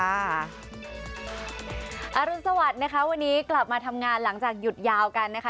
อารุณสวัสดิ์นะคะวันนี้กลับมาทำงานหลังจากหยุดยาวกันนะคะ